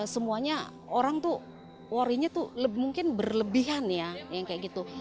semuanya orang tuh worry nya tuh mungkin berlebihan ya